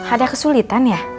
ada kesulitan ya